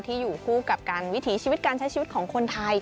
อยู่คู่กับการวิถีชีวิตการใช้ชีวิตของคนไทย